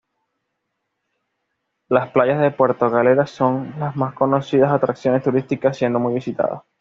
Las playas de Puerto Galera son las más conocidas atracciones turísticas, siendo muy visitadas.